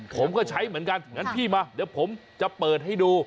ผมก็ใช้เหมือนกันงั้นพี่มาเดี๋ยวผมจะเปิดให้ดู